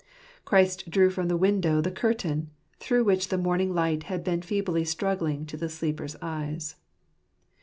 Christ drew from the window the curtain, through which the morning light had been feebly struggling to the sleeper's eyes.